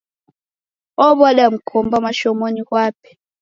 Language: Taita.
Ow'ada mkomba mashomonyi ghape.